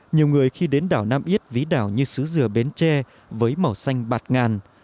nhiều người khi đến đảo nam ít ví đảo như sứ dừa bến tre với màu xanh bạt ngàn